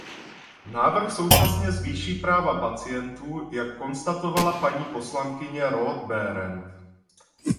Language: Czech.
Návrh současně zvýší práva pacientů, jak konstatovala paní poslankyně Roth-Behrendt.